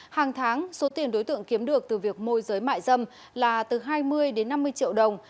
hàng tháng số tiền đối tượng kiếm được từ việc môi giới mại dâm là từ hai mươi đến năm mươi triệu đồng